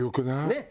ねっ！